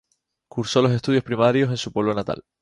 Cursó los estudios primarios en su pueblo natal.